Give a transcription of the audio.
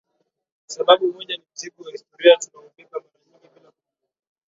Sababu moja ni mzigo wa historia tunaoubeba mara nyingi bila kujua